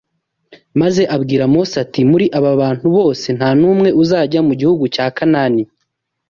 maze abwira Mose ati muri aba bantu bose nta n’umwe uzajya mu gihugu cya Kanani